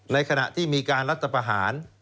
ในขณะที่มีการรัฐประหาร